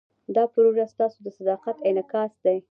دا پروژه ستاسو د صداقت انعکاس دی.